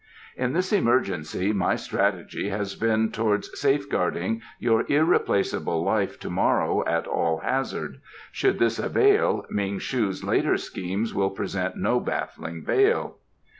In this emergency my strategy has been towards safeguarding your irreplaceable life to morrow at all hazard. Should this avail, Ming shu's later schemes will present no baffling veil."